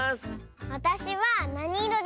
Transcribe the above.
わたしはなにいろですか？